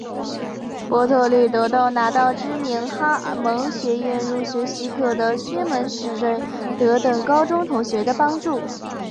伯特利得到拿到知名哈蒙学院入学许可的薛门史瑞德等高中同学的帮助。